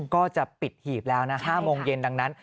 ก็จะปิดหีบแล้วนะ๕โมงเย็นดังนั้น